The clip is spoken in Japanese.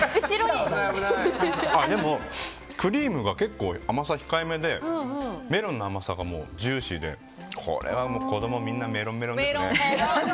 でも、クリームが結構甘さ控えめでメロンの甘さがジューシーでこれはもう子供みんなメロンメロンですね。